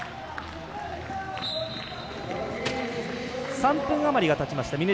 ３分あまりがたちました。